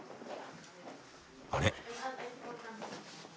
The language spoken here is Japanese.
あれ？